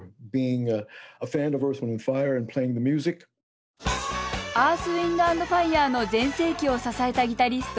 アース・ウインド＆ファイアーの全盛期を支えたギタリスト